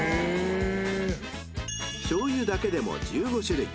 ［しょうゆだけでも１５種類］